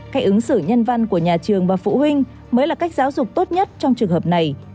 cách ứng xử nhân văn của nhà trường và phụ huynh mới là cách giáo dục tốt nhất trong trường hợp này